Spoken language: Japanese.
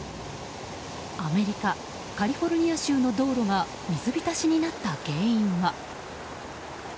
アメリカ・カリフォルニア州の道路が水浸しになった原因は。